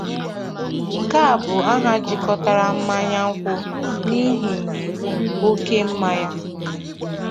Nke a bụ aha jikọtara mmanya nkwụ ha n'ihi oke mma ya.